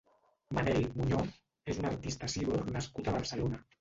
Manel Muñoz és un artista Cíborg nascut a Barcelona.